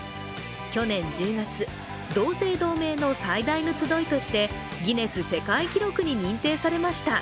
去年１０月、同姓同名の最大の集いとしてギネス世界記録に認定されました。